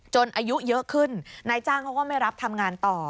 อายุเยอะขึ้นนายจ้างเขาก็ไม่รับทำงานต่อ